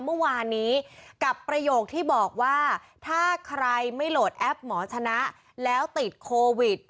เมื่อวานนี้กับประโยคที่บอกว่าถ้าใครไม่โหลดแอปหมอชนะแล้วติดโควิด